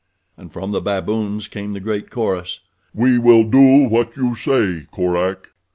And from the baboons came a great chorus: "We will do what you say, Korak."